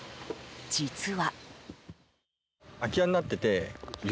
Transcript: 実は。